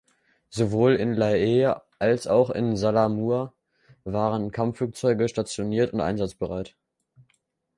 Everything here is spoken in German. Sowohl in Lae als auch in Salamaua waren Kampfflugzeuge stationiert und einsatzbereit.